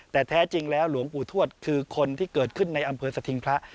แต่แท้จริงแล้วหลวงปู่ทวดคือคนที่เกิดขึ้นในอำเภอสถิงพระ